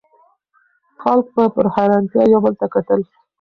خلکو په حیرانتیا یو بل ته کتل.